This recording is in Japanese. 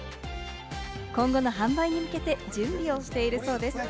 今後の販売に向けて準備をしているそうです。